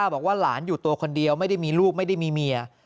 บอกว่าหลานอยู่ตัวคนเดียวไม่ได้มีลูกไม่ได้มีเมีย